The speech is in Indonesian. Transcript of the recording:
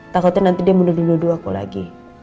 takutnya nanti dia bunuh dua dua aku lagi